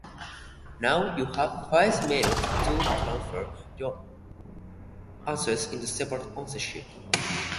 Baztertu egin zuen, hain berea zuen barre lasai bat eginik.